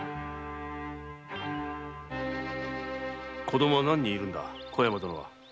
子供は何人いるのだ小山殿は？